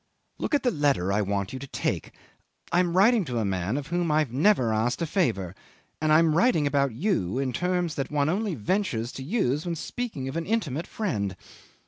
"Look at the letter I want you to take. I am writing to a man of whom I've never asked a favour, and I am writing about you in terms that one only ventures to use when speaking of an intimate friend.